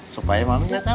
supaya mami bisa berjaya